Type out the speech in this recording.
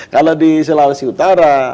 kalau di sulawesi utara